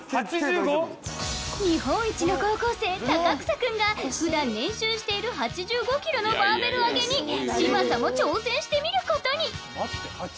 日本一の高校生高草くんが普段練習している８５キロのバーベル上げに嶋佐も挑戦してみることに！